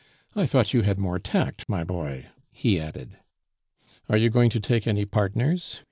"I thought you had more tact, my boy," he added. "Are you going to take any partners?"